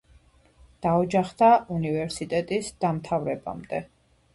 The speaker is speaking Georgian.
დაოჯახდა უნივერსიტეტის დამთავრებამდე.